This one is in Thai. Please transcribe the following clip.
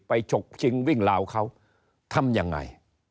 ฉกชิงวิ่งลาวเขาทำยังไง